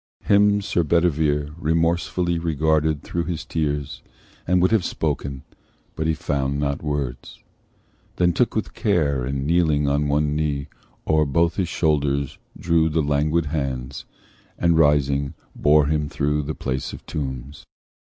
Him Sir Bedivere Remorsefully regarded through his tears, And would have spoken, but he found not words; Then took with care, and kneeling on one knee, O'er both his shoulders drew the languid hands, And rising bore him through the place of tombs.